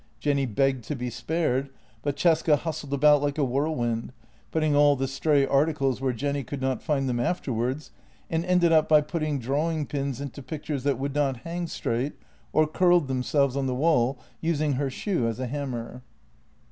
Jenny begged to be spared, but Cesca hustled about like a whirlwind, putting all the stray articles where Jenny could not find them afterwards, and ended up by putting drawing pins into pictures that would not hang straight, or curled themselves on the wall, using her shoe as a hammer.